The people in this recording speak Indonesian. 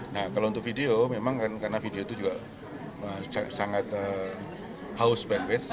nah kalau untuk video memang karena video itu juga sangat haus fanbase